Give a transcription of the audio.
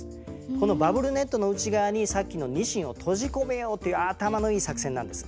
このバブルネットの内側にさっきのニシンを閉じ込めようという頭のいい作戦なんです。